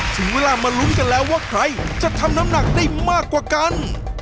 ถึงเวลามาลุ้นกันแล้วว่าใครจะทำน้ำหนักได้มากกว่ากัน